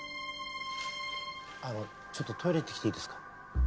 あのちょっとトイレ行ってきていいですか？